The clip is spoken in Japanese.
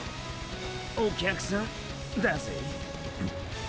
お客さんだぜ？